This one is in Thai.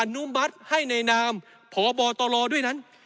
อนุมัติให้ในนามพบตรด้วยนั้น